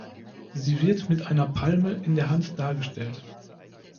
Sie wird mit einer Palme in der Hand dargestellt.